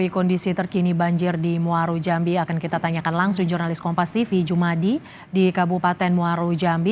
kondisi terkini banjir di muaru jambi akan kita tanyakan langsung jurnalis kompas tv jumadi di kabupaten muaru jambi